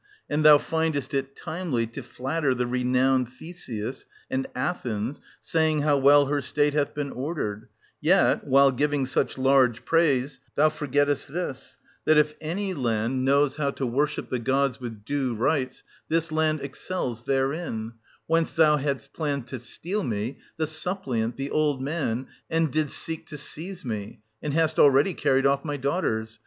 And thou findvest it timely to flatter the renowned Theseus, and Athens, saying how ^€B her state hath been ordered : yet, while giving ^ch large praise, thou forgettest this,— that if any land 7 98 SOPHOCLES. [1007— 1034 knows how to worship the gods with due rites, this land excels therein ; whence thou hadst planned to steal me, the suppliant, the old man, and didst seek to seize me, loio and hast already carried off my daughters.